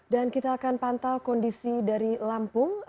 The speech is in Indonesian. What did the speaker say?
dan kita akan pantau kondisi dari lampung